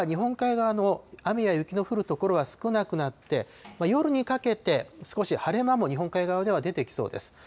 そして午後は日本海側の雨や雪の降る所は少なくなって、夜にかけて少し晴れ間も、日本海側では出てきそうです。